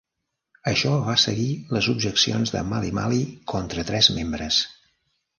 Això va seguir les objeccions de Malimali contra tres membres.